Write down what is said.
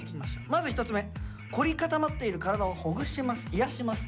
まず１つ目「こり固まっている体をいやします」。